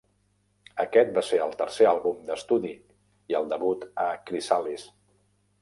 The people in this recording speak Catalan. Aquest va ser el tercer àlbum d'estudi i el debut a Chrysalis.